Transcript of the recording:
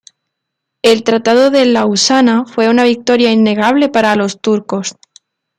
El Tratado de Lausana fue una victoria innegable para los turcos.